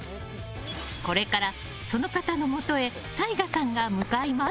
これからその方のもとへＴＡＩＧＡさんが向かいます。